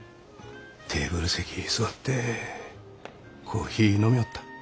テーブル席に座ってコーヒー飲みょうった。